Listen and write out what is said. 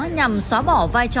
nhằm xóa bỏ vai trò lãnh đạo